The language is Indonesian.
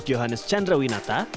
di johannes chandrawinata